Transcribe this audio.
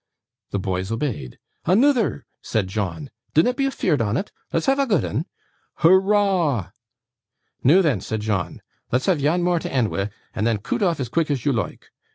The boys obeyed. 'Anoother!' said John. 'Dinnot be afeared on it. Let's have a good 'un!' 'Hurrah!' 'Noo then,' said John, 'let's have yan more to end wi', and then coot off as quick as you loike.